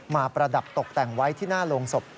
ประดับตกแต่งไว้ที่หน้าโรงศพ